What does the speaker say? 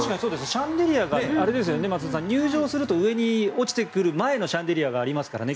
シャンデリアが入場すると上に落ちてくる前のシャンデリアがありますからね。